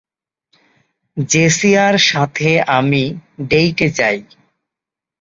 জেসিয়ার সাথে আমি ডেইটে যাই।